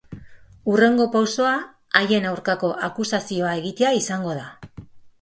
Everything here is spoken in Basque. Hurrengo pausoa, haien aurkako akusazioa egitea izango da.